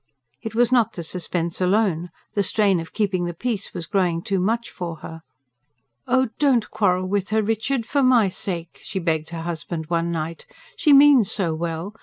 It was not the suspense alone: the strain of keeping the peace was growing too much for her. "Oh, DON'T quarrel with her, Richard, for my sake," she begged her husband one night. "She means so well.